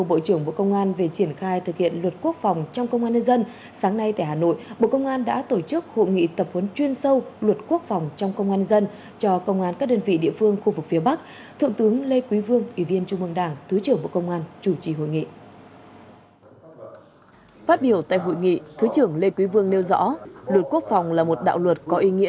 bộ công an về triển khai thực hiện luật quốc phòng trong công an nhân dân sáng nay tại hà nội bộ công an đã tổ chức hội nghị tập huấn chuyên sâu luật quốc phòng trong công an nhân dân cho công an các đơn vị địa phương khu vực phía bắc thượng tướng lê quý vương ủy viên trung mương đảng thứ trưởng bộ công an chủ trì hội nghị